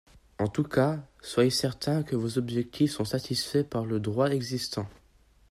En tout cas, soyez certain que vos objectifs sont satisfaits par le droit existant.